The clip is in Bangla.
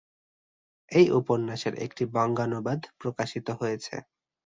এই উপন্যাসের একটি বঙ্গানুবাদ প্রকাশিত হয়েছে।